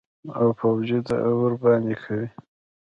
او پوجي ورباندي کوي.